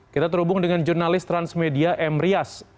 kita terhubung dengan jurnalis transmedia m rias